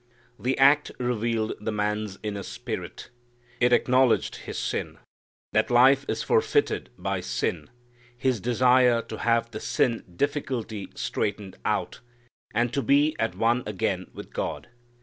The act revealed the man's inner spirit. It acknowledged his sin, that life is forfeited by sin, his desire to have the sin difficulty straightened out, and to be at one again with God.